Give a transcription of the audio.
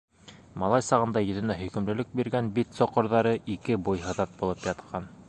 Малай сағында йөҙөнә һөйкөмлөлөк биргән бит соҡорҙары ике буй һыҙат булып ятҡан.